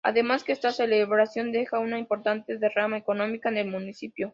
Además que esta celebración deja una importante derrama económica en el municipio.